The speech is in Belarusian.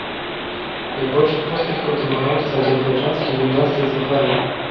Найбольшых поспехаў дамагаюцца азербайджанскія гімнасты і змагары.